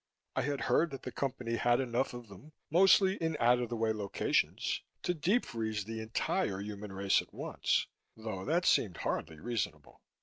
I had heard that the Company had enough of them, mostly in out of the way locations, to deep freeze the entire human race at once, though that seemed hardly reasonable.